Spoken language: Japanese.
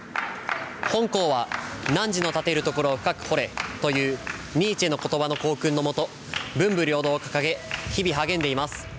本校は「爾のたてるところを深く掘れ」というニーチェの言葉の校訓のもと文武両道を掲げ日々励んでいます。